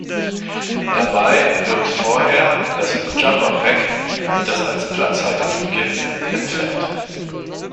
Dabei wird vorher das "Jumper Pak", das als Platzhalter fungiert, entfernt.